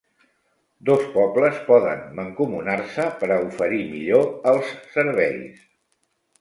Dos pobles poden mancomunar-se per a oferir millor els serveis.